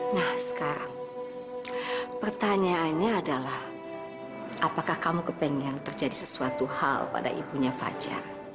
nah sekarang pertanyaannya adalah apakah kamu kepengen terjadi sesuatu hal pada ibunya fajar